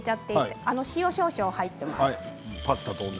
塩は少々入っています。